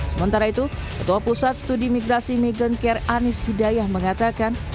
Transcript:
sementara itu ketua pusat studi migrasi meghan care anies hidayah mengatakan